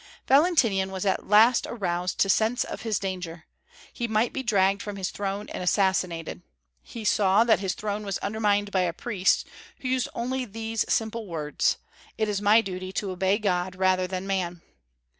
Valentinian was at last aroused to a sense of his danger. He might be dragged from his throne and assassinated. He saw that his throne was undermined by a priest, who used only these simple words, "It is my duty to obey God rather than man."